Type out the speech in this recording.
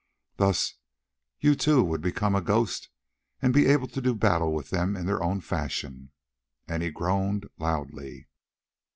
Thus you too would become a ghost and be able to do battle with them in their own fashion," and he groaned loudly.